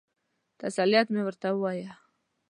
تسلیت مې ورته ووایه.